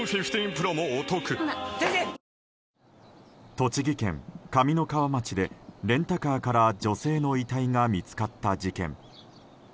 栃木県上三川町でレンタカーから女性の遺体が見つかった事件。